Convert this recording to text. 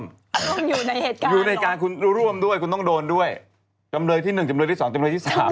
แต่คุณถือว่าร่วมอยู่ในการคุณร่วมด้วยคุณต้องโดนด้วยจำเลยที่หนึ่งจำเลยที่สองจำเลยที่สาม